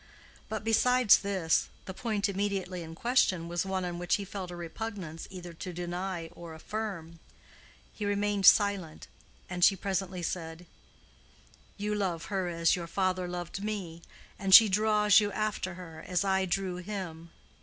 But besides this, the point immediately in question was one on which he felt a repugnance either to deny or affirm. He remained silent, and she presently said, "You love her as your father loved me, and she draws you after her as I drew him."